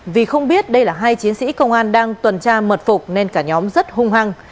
vì không biết đây là hai chiến sĩ công an đang tuần tra mật phục nên cả nhóm rất hung hăng